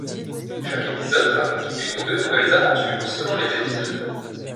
Chaque épisode raconte une ou deux nouvelles aventures, selon les épisodes.